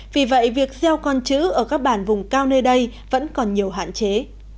vì vậy việc gieo con chữ ở các bản vùng cao nơi đây vẫn còn nhiều hạn chế